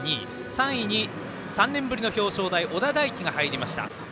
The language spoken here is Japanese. ３位に、３年ぶりの表彰台小田大樹が入りました。